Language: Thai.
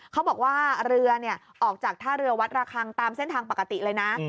เขาบอกว่าเรือออกจากท่าเรือวัดระคังตามเส้นทางปกติเลยนะ